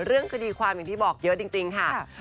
เรื่องคดีความอย่างที่บอกเยอะจริงค่ะ